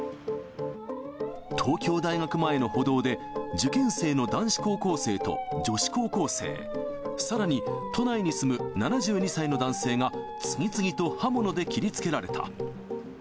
東京大学前の歩道で、受験生の男子高校生と女子高校生、さらに都内に住む７２歳の男性が次々と刃物で切りつけられた。